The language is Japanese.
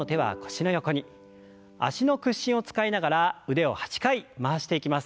脚の屈伸を使いながら腕を８回回していきます。